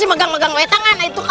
ini ada ada saja tuh